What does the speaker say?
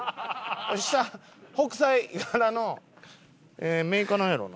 下北斎柄のメーカーなんやろうな？